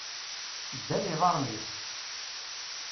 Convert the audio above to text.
Ddan iḍarren-is!